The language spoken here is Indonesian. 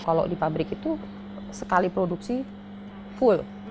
kalau di pabrik itu sekali produksi full